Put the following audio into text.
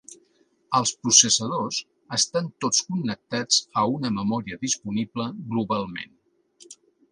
Els processadors estan tots connectats a una memòria disponible globalment.